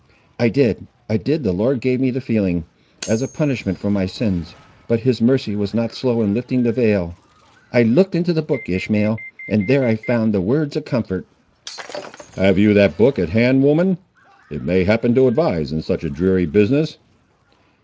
"I did, I did the Lord gave me the feeling, as a punishment for my sins! but his mercy was not slow in lifting the veil; I looked into the book, Ishmael, and there I found the words of comfort." "Have you that book at hand, woman; it may happen to advise in such a dreary business."